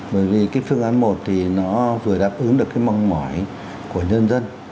bởi vì cái phương án một thì nó vừa đáp ứng được cái mong mỏi của nhân dân